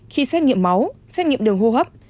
khi xét nghiệm máu xét nghiệm đường hô hấp